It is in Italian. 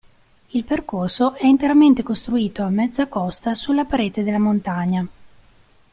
Il percorso è interamente costruito "a mezza costa" sulla parete della montagna.